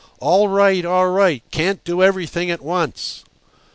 "All right, all right! can't do everything at once."